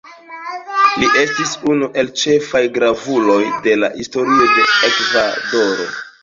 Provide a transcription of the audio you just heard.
Li estis unu el ĉefaj gravuloj de la Historio de Ekvadoro.